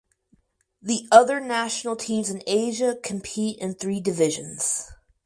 The other national teams in Asia compete in three divisions.